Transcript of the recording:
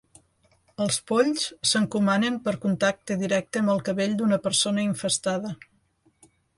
Els polls s'encomanen per contacte directe amb el cabell d'una persona infestada.